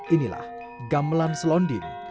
inilah gamelan selonding